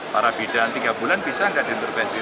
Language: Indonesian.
para bidan tiga bulan bisa nggak diintervensi